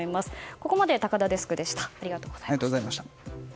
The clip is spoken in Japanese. ここまで、高田デスクでした。